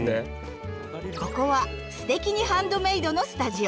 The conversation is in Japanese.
ここは「すてきにハンドメイド」のスタジオ。